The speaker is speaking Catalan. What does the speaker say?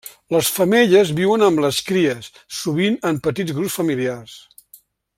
Les femelles viuen amb les cries, sovint en petits grups familiars.